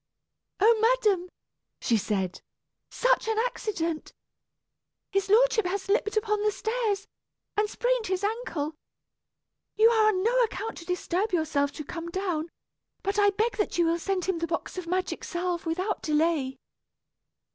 "Oh, madam!" she said, "such an accident! His lordship has slipped upon the stairs, and sprained his ankle. You are on no account to disturb yourself to come down; but I beg that you will send him the box of magic salve without delay."